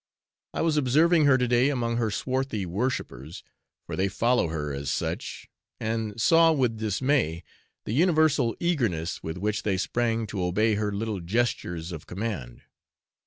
I was observing her to day among her swarthy worshippers, for they follow her as such, and saw, with dismay, the universal eagerness with which they sprang to obey her little gestures of command.